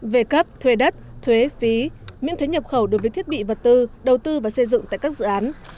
về cấp thuê đất thuế phí miễn thuế nhập khẩu đối với thiết bị vật tư đầu tư và xây dựng tại các dự án